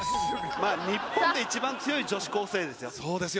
まあ日本で一番強い女子高生ですよ。